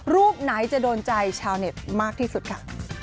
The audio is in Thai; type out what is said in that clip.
รูปไหนจะโดนใจชาวเน็ตมากที่สุดค่ะ